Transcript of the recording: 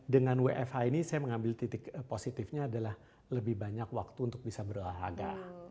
dengan wfh ini saya mengambil titik positifnya adalah lebih banyak waktu untuk bisa berolahraga